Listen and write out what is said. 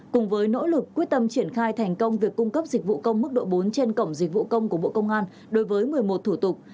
cùng với nỗ lực quyết tâm triển khai thành công việc cung cấp dịch vụ công mức độ bốn trên cổng dịch vụ công của bộ công an đối với một mươi một thủ tục